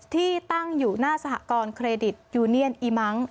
ที่ตั้งอยู่หน้าสหกรณ์เครดิตยูเนียนอีมัง